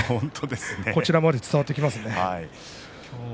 こちらまで伝わってきますね。